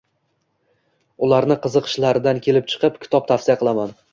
Ularni qiziqishlaridan kelib chiqib kitob tavsiya qilaman.